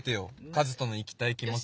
和人の行きたい気持ち。